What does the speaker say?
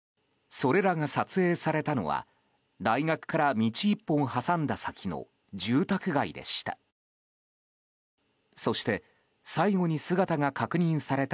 それらが撮影されたのは大学から道１本挟んだ先の住宅街でした。